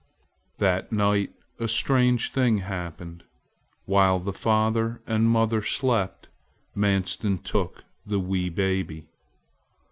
That night a strange thing happened. While the father and mother slept, Manstin took the wee baby.